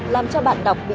làm cho bạn đọc bị